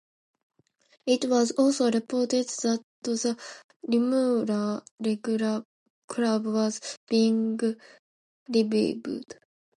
It was also reported that the Remuera League Club was being revived.